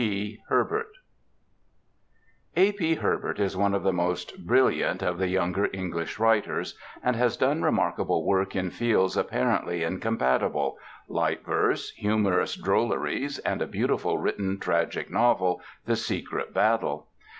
P. HERBERT A. P. Herbert is one of the most brilliant of the younger English writers, and has done remarkable work in fields apparently incompatible: light verse, humorous drolleries, and a beautifully written tragic novel, The Secret Battle.